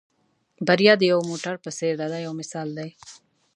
بریا د یو موټر په څېر ده دا یو مثال دی.